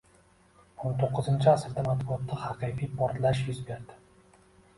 O'n to'qqizinchi asrda matbuotda haqiqiy «portlash» yuz berdi